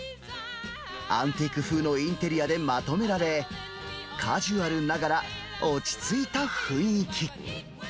アンティーク風のインテリアでまとめられ、カジュアルながら落ち着いた雰囲気。